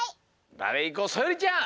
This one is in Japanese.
だれいこうそよりちゃん！